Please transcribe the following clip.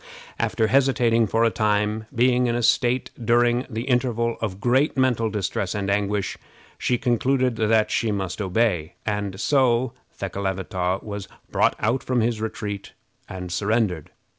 After hesitating for a time, being in a state during the interval of great mental distress and anguish, she concluded that she must obey, and so Thekelavitaw was brought out from his retreat and surrendered.